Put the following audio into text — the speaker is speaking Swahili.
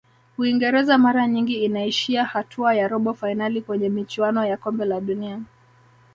uingereza mara nyingi inaishia hatua ya robo fainali kwenye michuano ya kombe la dunia